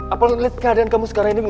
apalagi ngelihat keadaan kamu sekarang ini